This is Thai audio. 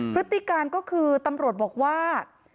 พฤติการก็คือตำรวจบอกว่า